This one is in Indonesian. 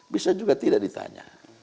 bisa juga tidak ditanya